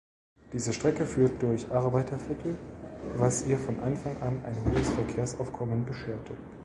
Diese Strecke führt durch Arbeiterviertel, was ihr von Anfang an ein hohes Verkehrsaufkommen bescherte.